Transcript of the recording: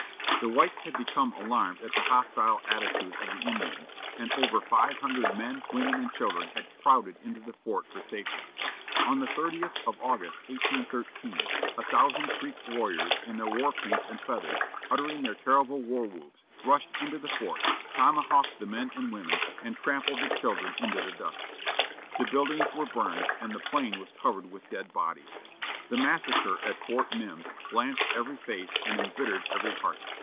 The whites had become alarmed at the hostile attitude of the Indians, and over five hundred men, women, and children had crowded into the fort for safety. On the 30th of August, 1813, a thousand Creek warriors in their war paint and feathers, uttering their terrible war whoops, rushed into the fort, tomahawked the men and women, and trampled the children into the dust. The buildings were burned, and the plain was covered with dead bodies. The massacre at Fort Mims blanched every face and embittered every heart.